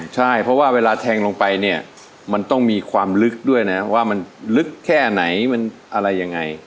ใช่เพราะว่าเวลาแทงลงไปเนี่ยมันต้องมีความลึกด้วยนะว่ามันลึกแค่ไหนมันอะไรยังไง